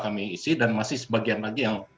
kami isi dan masih sebagian lagi yang